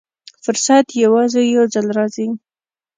فرصت یوازې یو ځل راځي.